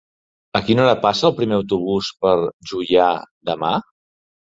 A quina hora passa el primer autobús per Juià demà?